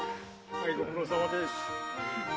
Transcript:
はいご苦労さまです。